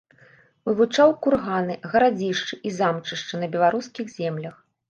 Вывучаў курганы, гарадзішчы і замчышчы на беларускіх землях.